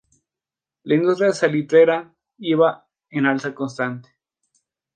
La industria salitrera iba en alza constante.